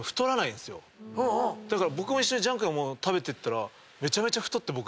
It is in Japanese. だから僕も一緒にジャンクな物食べてったら。